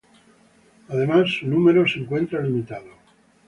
Además su número se encuentra limitado.